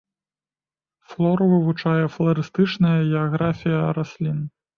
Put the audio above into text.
Флору вывучае фларыстычная геаграфія раслін.